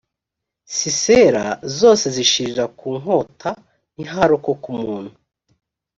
sisera zose zishirira ku nkota ntiharokoka umuntu